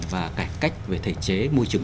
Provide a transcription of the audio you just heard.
và cảnh cách về thể chế môi trường